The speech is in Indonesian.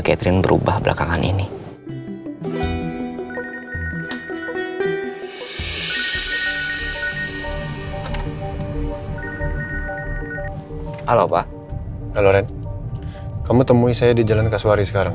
catherine berubah belakangan ini halo pak kalau red kamu temui saya di jalan kasuari sekarang